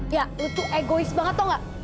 ya lo tuh egois banget tau gak